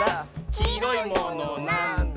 「きいろいものなんだ？」